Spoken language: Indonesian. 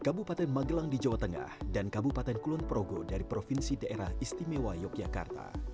kabupaten magelang di jawa tengah dan kabupaten kulon progo dari provinsi daerah istimewa yogyakarta